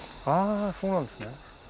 あそうなんですね。